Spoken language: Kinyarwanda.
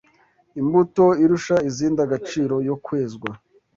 Imbuto irusha izindi agaciro yo kwezwa